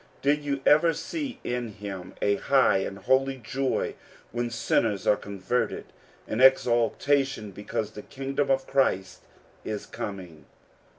Did you ever see in him a high and holy joy when sin ners are converted — an exultation because the king dom of Christ is coming